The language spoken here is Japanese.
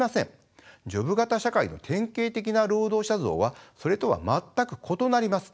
ジョブ型社会の典型的な労働者像はそれとは全く異なります。